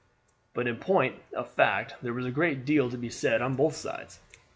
But in point of fact there was a great deal to be said on both sides.